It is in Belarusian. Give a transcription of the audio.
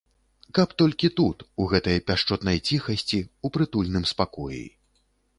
Каб толькі тут, у гэтай пяшчотнай ціхасці, у прытульным спакоі.